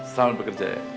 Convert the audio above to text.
selamat bekerja ya